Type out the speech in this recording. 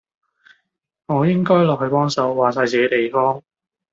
我應該落去幫手，話哂自己地方